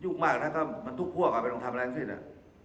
อยู่มากนี้ก็ฮะใช่มั้ยจะ